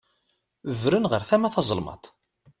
Bren ɣer tama taẓelmaṭ.